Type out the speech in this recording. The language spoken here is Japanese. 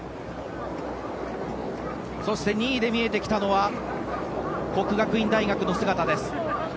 そして２位で見えてきたのは國學院大學の姿です。